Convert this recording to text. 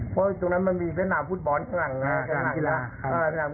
เพราะรุ่นมันมีเทนนาปฟู้ดบอลน่ะ